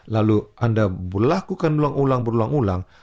lalu anda melakukan ulang ulang